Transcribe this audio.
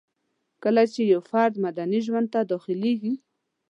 کله چي يو فرد مدني ژوند ته داخليږي